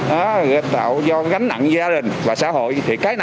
đó là gây tạo do gánh nặng gia đình và xã hội